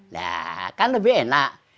nah kan lebih enak